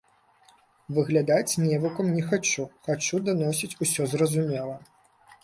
Выглядаць невукам не хачу, хачу даносіць усё зразумела.